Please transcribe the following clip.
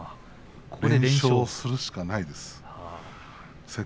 連勝するしかないです。